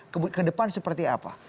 ke depan seperti apa